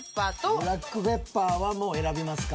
ブラックペッパーはもう選びますか。